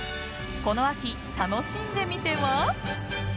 この秋、楽しんでみては？